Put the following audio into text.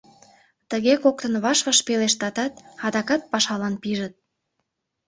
Тыге коктын ваш-ваш пелештатат, адакат пашалан пижыт.